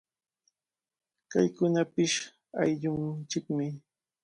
Paykunapish ayllunchikmi.